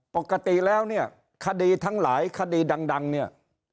ปกติแล้วเนี่ยคดีทั้งหลายคดีดังเนี่ย